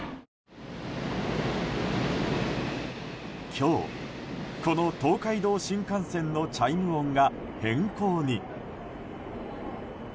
今日、この東海道新幹線のチャイム音が変更に。